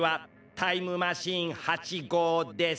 タイムマシーン８ごうです。